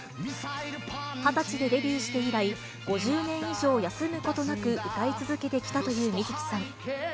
２０歳でデビューして以来、５０年以上、休むことなく歌い続けてきたという水木さん。